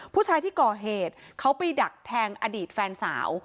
ผู้ชายที่ก่อเหตุเขาไปดักแทงอดีตแฟนสาว